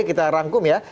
kita rangkum ya